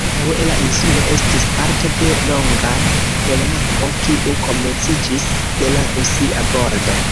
Antaŭe la insulo estis parto de longa terlango, kiu komenciĝis de la Rusia bordo.